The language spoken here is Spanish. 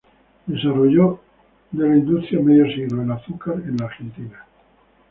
Desarrollo de la industria en medio siglo; El azúcar en la Argentina".